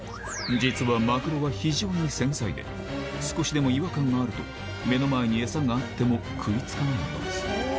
実はマグロは非常に繊細で少しでも違和感があると目の前に餌があっても食い付かないのだそう